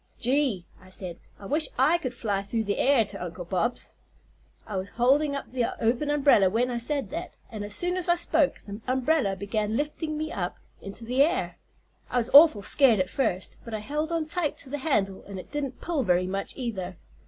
"'Gee!' I said, 'I wish I could fly through the air to Uncle Bob's.' "I was holding up the open umbrella when I said that, and as soon as I spoke, the umbrella began lifting me up into the air. I was awful scared, at first, but I held on tight to the handle and it didn't pull very much, either.